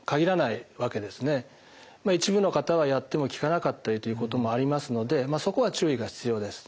一部の方はやっても効かなかったりということもありますのでまあそこは注意が必要です。